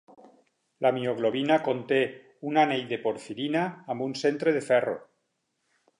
La mioglobina conté un anell de porfirina amb un centre de ferro.